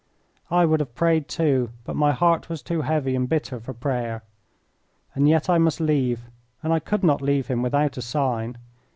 I would have prayed too, but my heart was too heavy and bitter for prayer. And yet I must leave, and I could not leave him without a sign.